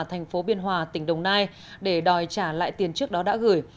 thành phố biên hòa tỉnh đồng nai để đòi trả lại tiền trước đó đã gửi